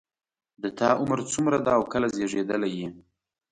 د تا عمر څومره ده او کله زیږیدلی یې